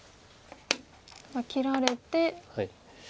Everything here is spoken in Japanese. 切られて。